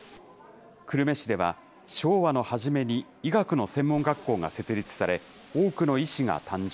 久留米市では、昭和の初めに医学の専門学校が設立され、多くの医師が誕生。